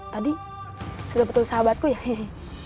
tadi itu sudah betul sahabatku bukan